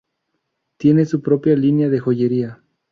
Tiene su propia línea de joyería.